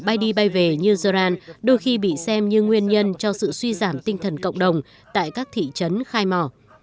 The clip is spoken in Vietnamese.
bài đi bay về như zoran đôi khi bị xem như nguyên nhân cho sự suy giảm tinh thần cộng đồng tại các thị trấn khai mò